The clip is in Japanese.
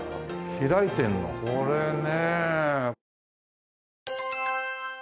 開いてるのこれね。